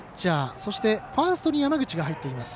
そして、ファーストに山口が入っています。